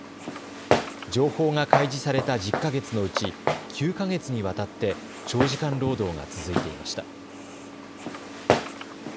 情報が開示された１０か月のうち９か月にわたって長時間労働が続いていました。